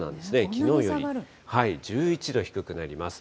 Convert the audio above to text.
きのうより１１度低くなります。